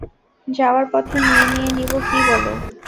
যাওয়ার পথে নিয়ে নিয়ে নিবো কি বলো?